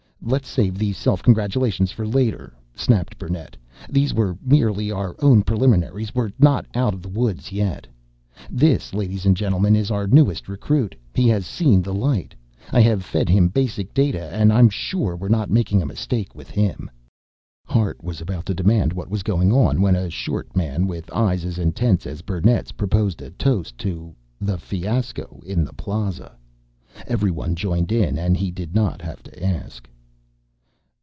"Let's save the self congratulations for later," snapped Burnett. "These were merely our own preliminaries. We're not out of the woods yet. This, ladies and gentlemen, is our newest recruit. He has seen the light. I have fed him basic data and I'm sure we're not making a mistake with him." Hart was about to demand what was going on when a short man with eyes as intense as Burnett's proposed a toast to "the fiasco in the Plaza." Everyone joined in and he did not have to ask.